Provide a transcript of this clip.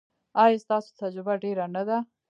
ایا ستاسو تجربه ډیره نه ده؟